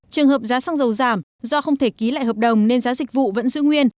trường hợp giá xăng dầu giảm do không thể ký lại hợp đồng nên giá dịch vụ vẫn giữ nguyên